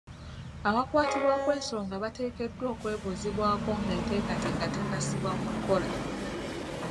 Abakwatibwako ensonga bateekeddwa okwebuuzibwako nga enteekateeka tennasibwa mu nkola.